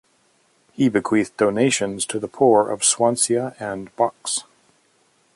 He bequeathed donations to the poor of Swansea and Box.